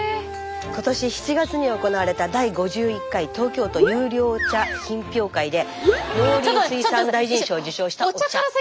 今年７月に行われた第５１回東京都優良茶品評会で農林水産大臣賞を受賞したお茶。